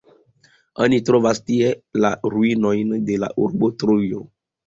Oni trovas tie la ruinojn de la urbo Trojo.